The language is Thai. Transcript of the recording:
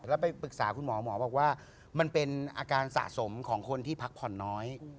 แล้วไปปรึกษาคุณหมอหมอบอกว่ามันเป็นอาการสะสมของคนที่พักผ่อนน้อย